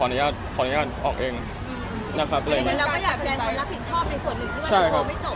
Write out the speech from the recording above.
อันนี้เราก็อยากแฟนเขารักผิดชอบในส่วนหนึ่ง